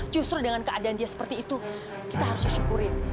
justru dengan keadaan dia seperti itu kita harus syukurin